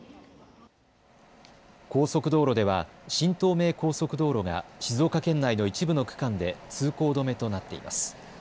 高速道路では新東名高速道路が静岡県内の一部の区間で通行止めとなっています。